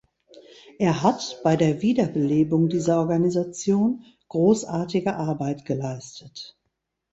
Er hat bei der Wiederbelebung dieser Organisation großartige Arbeit geleistet.